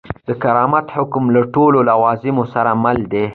پر کرامت حکم له ټولو لوازمو سره مل دی.